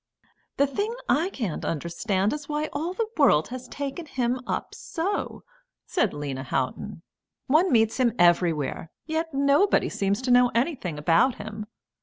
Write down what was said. "The thing I can't understand is why all the world has taken him up so," said Lena Houghton. "One meets him everywhere, yet nobody seems to know anything about him.